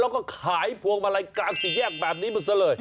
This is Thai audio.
แล้วก็ขายพวงมาลัยกลางสี่แยกแบบนี้มันซะเลย